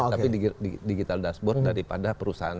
tapi digital dashboard daripada perusahaan